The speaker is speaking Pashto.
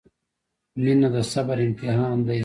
• مینه د صبر امتحان دی.